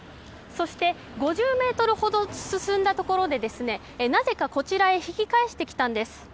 そして５０ｍほど進んだところでなぜか、こちらへ引き返してきたんです。